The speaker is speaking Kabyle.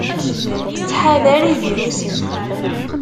Ttḥadar ivirusen!